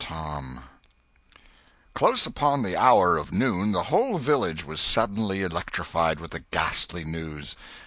CHAPTER XI CLOSE upon the hour of noon the whole village was suddenly electrified with the ghastly news.